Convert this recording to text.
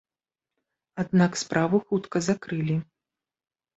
Аднак справу хутка закрылі.